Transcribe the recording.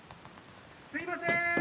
・すいません！